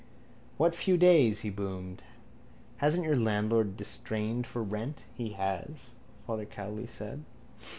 —What few days? he boomed. Hasn't your landlord distrained for rent? —He has, Father Cowley said.